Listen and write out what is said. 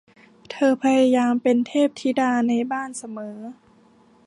เธอพยายามเป็นเทพธิดาในบ้านเสมอ